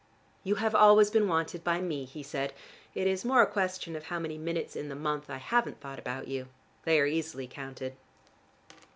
"You have always been wanted by me," he said. "It is more a question of how many minutes in the month I haven't thought about you. They are easily counted."